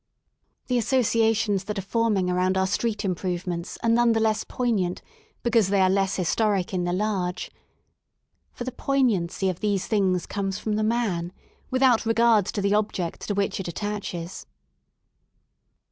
The associations that are forming around our Street Improvements are none the less poignant, because they are less historic in the large. For the poignancy of these things comes from the man, with out regard to the object to which it attaches.